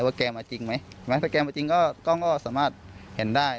แกมาจริงไหมถ้าแกมาจริงก็กล้องก็สามารถเห็นได้